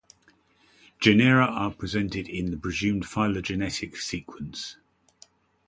Genera are presented in the presumed phylogenetic sequence.